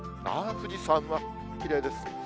富士山がきれいです。